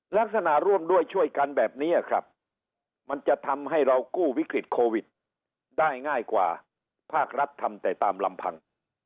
ลักษณะร่วมด้วยช่วยกันแบบนี้ครับมันจะทำให้เรากู้วิกฤตโควิดได้ง่ายกว่าภาครัฐทำแต่ตามลำพัง